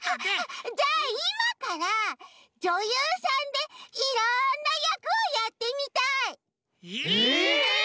じゃあいまからじょゆうさんでいろんなやくをやってみたい！えっ！？